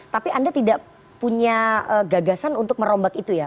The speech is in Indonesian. tapi anda tidak punya gagasan untuk merombak itu ya